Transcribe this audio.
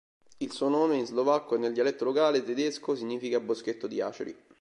Il suo nome in slovacco e nel dialetto locale tedesco significa "boschetto di aceri".